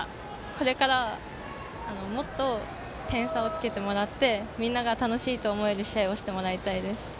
これから、もっと点差をつけてもらってみんなが楽しいと思える試合をしてもらいたいです。